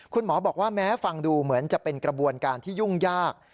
คุณหมอบอกว่าแม้ฟังดูเหมือนจะเป็นกระบวนการที่ยุ่งยาก